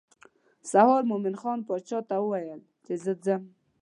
سهار مومن خان باچا ته وویل چې زه ځم.